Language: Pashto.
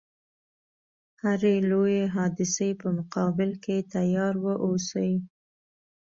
هري لويي حادثې په مقابل کې تیار و اوسي.